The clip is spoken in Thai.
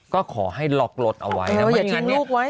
ก็ขอให้ล็อครถเอาไว้นะไม่อยากทิ้งลูกไว้